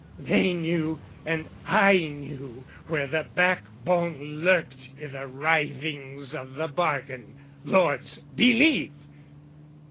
They knew and I knew where the back bone lurked I' the writhings of the bargain, lords, believe!